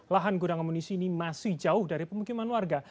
lahan gudang amunisi ini masih jauh dari pemukiman warga